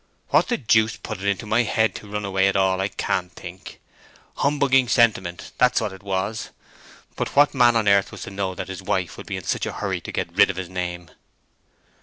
What the deuce put it into my head to run away at all, I can't think! Humbugging sentiment—that's what it was. But what man on earth was to know that his wife would be in such a hurry to get rid of his name!"